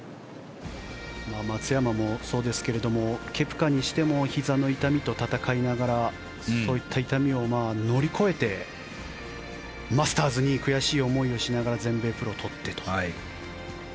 松山もそうですけれどケプカにしてもひざの痛みと闘いながらそういった痛みを乗り越えてマスターズに悔しい思いをしながら全米プロを取ってと。